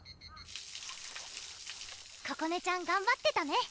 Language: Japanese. ここねちゃんがんばってたね